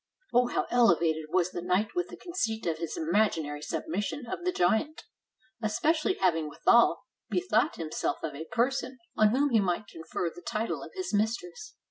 '" Oh! how ele vated was the knight with the conceit of this imaginary submission of the giant; especially having withal be thought himself of a person on whom he might confer the title of his mistress!